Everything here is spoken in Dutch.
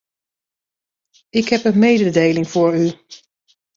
Ik heb een mededeling voor u.